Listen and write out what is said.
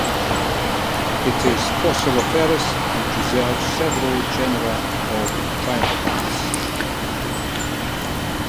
It is fossiliferous and preserves several genera of trilobites.